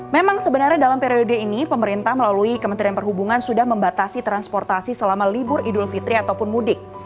memang sebenarnya dalam periode ini pemerintah melalui kementerian perhubungan sudah membatasi transportasi selama libur idul fitri ataupun mudik